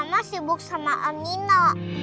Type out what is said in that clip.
mama sibuk sama om nino